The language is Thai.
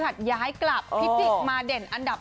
ย้ายกลับพิจิกมาเด่นอันดับ